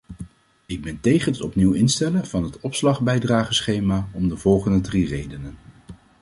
Ik ben tegen het opnieuw instellen van het opslagbijdrageschema om de volgende drie redenen.